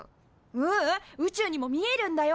ううん宇宙にも見えるんだよ。